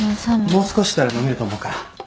もう少ししたら飲めると思うから。